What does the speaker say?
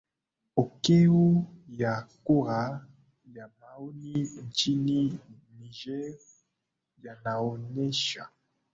okeo ya kura ya maoni nchini niger yanaonyesha